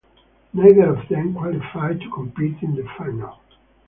Neither of them qualified to compete in the final.